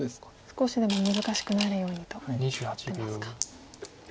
少しでも難しくなるようにと打ってますか。